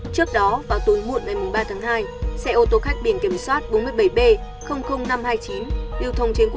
trước đó vào tối muộn ngày ba tháng hai xe ô tô khách biển kiểm soát bốn mươi bảy b năm trăm hai mươi chín điều thông trên quốc lộ một mươi bốn theo hướng bắc vào nam